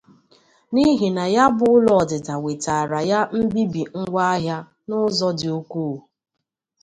n'ihi na ya bụ ụlọ ọdịda wetaara ya mbibi ngwaahịa n'ụzọ dị ukwuu.